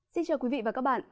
xin chào quý vị và các bạn